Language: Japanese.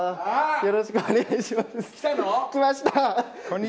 よろしくお願いします。